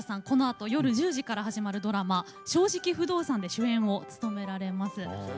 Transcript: このあと夜１０時から始まるドラマ「正直不動産」で主演を務められます。